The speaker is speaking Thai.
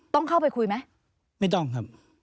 ต้องเข้าไปคุยไหมไม่ต้องครับ